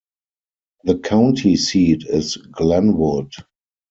The county seat is Glenwood.